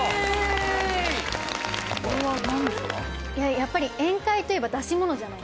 やっぱり宴会といえば出し物じゃないですか。